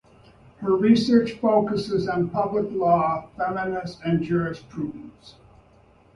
Her research focuses on public law and feminist jurisprudence.